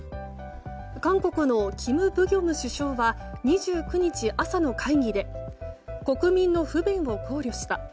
韓国のキム・ブギョム首相は２９日朝の会議で国民の不便を考慮した。